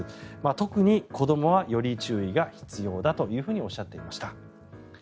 特に子どもはより注意が必要だとおっしゃっていました。